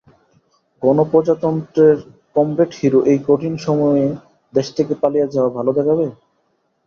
গণপ্রজাতন্ত্রের comrade hero এই কঠিন সময়ে দেশ থেকে পালিয়ে যাওয়া ভাল দেখাবে?